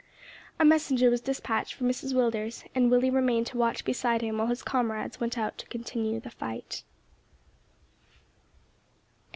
A messenger was despatched for Mrs Willders, and Willie remained to watch beside him while his comrades went out to continue the fight.